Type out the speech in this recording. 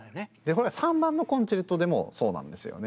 これは３番のコンチェルトでもそうなんですよね。